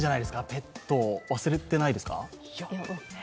ペット、忘れてないですか？